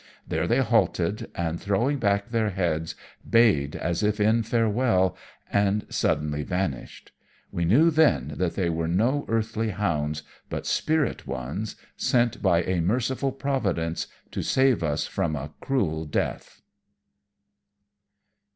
There they halted, and throwing back their heads, bayed as if in farewell, and suddenly vanished. We knew then that they were no earthly hounds, but spirit ones, sent by a merciful Providence to save us from a cruel death."